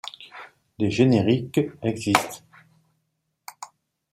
Des génériques existent.